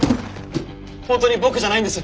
本当に僕じゃないんです。